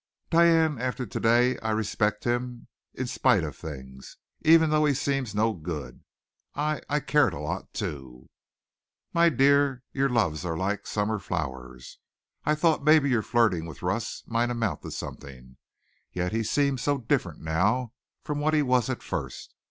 "Diane, after to day I respect him in in spite of things even though he seems no good. I I cared a lot, too." "My dear, your loves are like the summer flowers. I thought maybe your flirting with Russ might amount to something. Yet he seems so different now from what he was at first.